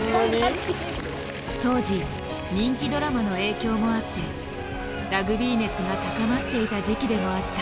当時人気ドラマの影響もあってラグビー熱が高まっていた時期でもあった。